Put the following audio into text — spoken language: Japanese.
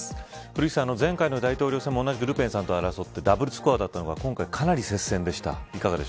古市さん、前回の大統領選も同じくルペン候補と争ってダブルスコアだったのが今回かなり接戦でした。